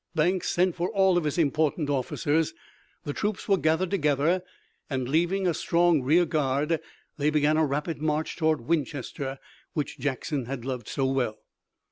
Banks sent for all of his important officers, the troops were gathered together, and leaving a strong rear guard, they began a rapid march toward Winchester, which Jackson had loved so well.